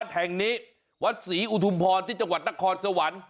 แห่งนี้วัดศรีอุทุมพรที่จังหวัดนครสวรรค์